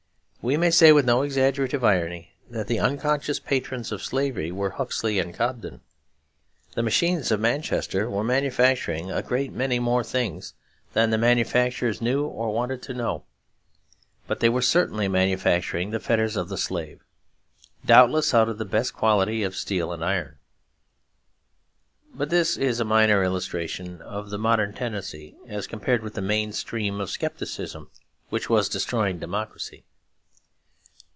We may say with no exaggerative irony that the unconscious patrons of slavery were Huxley and Cobden. The machines of Manchester were manufacturing a great many more things than the manufacturers knew or wanted to know; but they were certainly manufacturing the fetters of the slave, doubtless out of the best quality of steel and iron. But this is a minor illustration of the modern tendency, as compared with the main stream of scepticism which was destroying democracy.